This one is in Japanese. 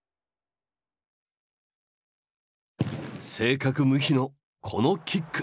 正確無比のこのキック。